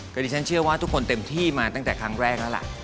ก็ดิฉันเชื่อว่าทุกคนเต็มที่มาตั้งแต่ครั้งแรกแล้วล่ะ